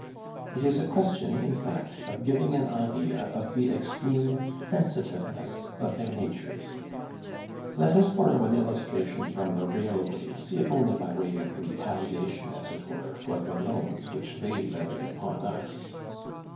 It is a question, in fact, of giving an idea of the extreme sensitiveness of their natures. Let us borrow an illustration from the railways, if only by way of retaliation, as it were, for the loans which they levy upon us.